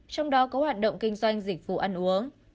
trong đó có hoạt động kinh doanh dịch vụ ăn uống